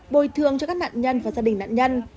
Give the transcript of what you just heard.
bồi thường cho các nạn nhân và gia đình nạn nhân